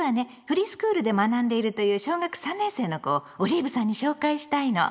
フリースクールで学んでいるという小学３年生の子をオリーブさんに紹介したいの。